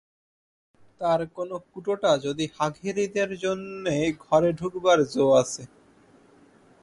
তার কোনো কুটোটা যদি হাঘিরেদের জন্যে ঘরে ঢুকবার জো আছে!